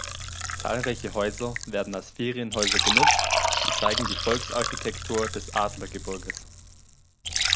Zahlreiche Häuser werden als Ferienhäuser genutzt und zeigen die Volksarchitektur des Adlergebirges.